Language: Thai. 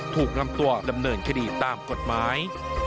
ถูกนำตัวดำเนินคดีตามกฎหมาย